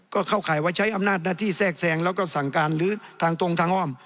ก็เข้าข่ายว่าใช้อำนาจหน้าที่แทรกแซงแล้วก็สั่งการหรือทางตรงทางอ้อม